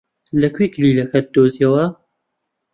لەکوێ کلیلەکەت دۆزییەوە؟